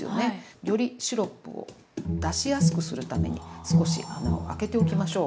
よりシロップを出しやすくするために少し穴を開けておきましょう。